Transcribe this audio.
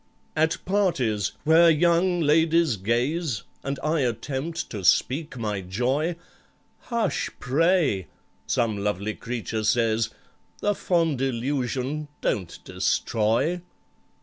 "At parties where young ladies gaze, And I attempt to speak my joy, 'Hush, pray,' some lovely creature says, 'The fond illusion don't destroy!